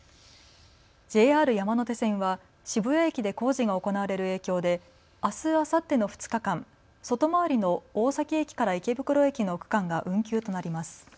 ＪＲ山手線は渋谷駅で工事が行われる影響であす、あさっての２日間外回りの大崎駅から池袋駅の区間が運休となります。